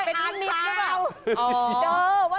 เฮ้ยเป็นอาร์ดมิตรหรือเปล่า